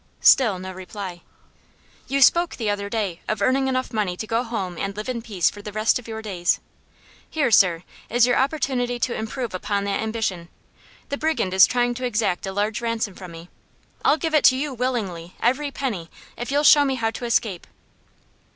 Still no reply. "You spoke, the other day, of earning enough money to go home and live in peace for the rest of your days. Here, sir, is your opportunity to improve upon that ambition. The brigand is trying to exact a large ransom from me; I'll give it to you willingly every penny if you'll show me how to escape."